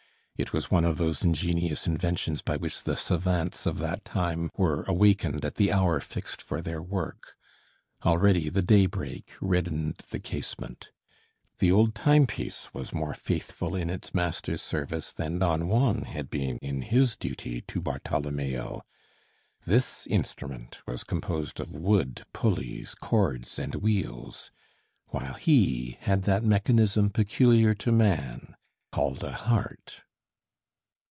It was one of those ingenious inventions by which the savants of that time were awakened at the hour fixed for their work. Already the daybreak reddened the casement. The old timepiece was more faithful in its master's service than Don Juan had been in his duty to Bartholomeo. This instrument was composed of wood, pulleys, cords and wheels, while he had that mechanism peculiar to man, called a heart.